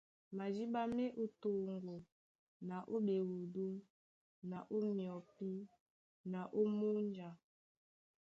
Madíɓá má e ó toŋgo na ó ɓeúdu na ó myɔpí na ó múnja.